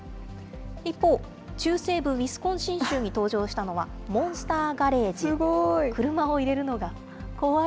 一方、中西部ウィスコンシン州に登場したのは、モンスターガすごい。